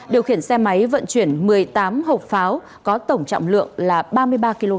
điều khiển xe máy vận chuyển một mươi tám hộp pháo có tổng trọng lượng là ba mươi ba kg